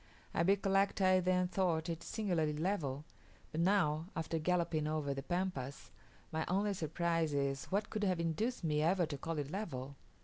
I recollect I then thought it singularly level; but now, after galloping over the Pampas, my only surprise is, what could have induced me ever to call it level.